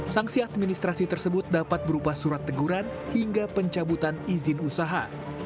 sanksi administrasi tersebut dapat berupa surat teguran hingga pencabutan izin usaha